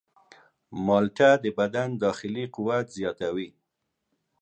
مالټه د بدن داخلي قوت زیاتوي.